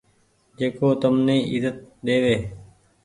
جيڪو تم ني ايزت ۮيوي